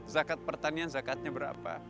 zakat pertanian zakatnya berapa